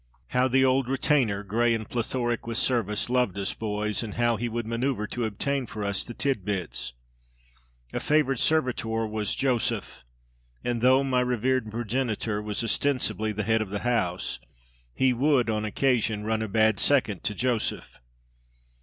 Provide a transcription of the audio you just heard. How the old retainer, grey and plethoric with service, loved us boys, and how he would manoeuvre to obtain for us the tit bits! A favoured servitor was "Joseph"; and though my revered progenitor was ostensibly the head of the house, he would, on occasion, "run a bad second" to "Joseph."